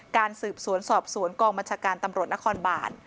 การสืบสวนสอบสวนกองบัญชาการตำรวจนครบาล